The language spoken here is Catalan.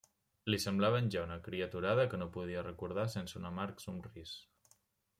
Li semblaven ja una criaturada que no podia recordar sense un amarg somrís.